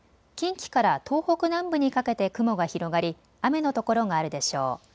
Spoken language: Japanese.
近畿から東北南部にかけて雲が広がり雨の所があるでしょう。